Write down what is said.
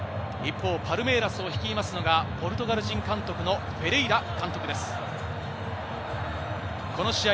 一方、パルメイラスを率いますのがポルトガル人監督のフェレイラ